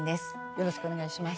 よろしくお願いします。